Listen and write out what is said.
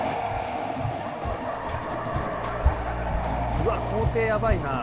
うわっ校庭やばいなあ。